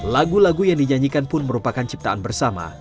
lagu lagu yang dinyanyikan pun merupakan ciptaan bersama